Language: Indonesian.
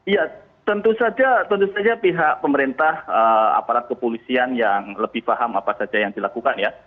ya tentu saja pihak pemerintah aparat kepolisian yang lebih paham apa saja yang dilakukan ya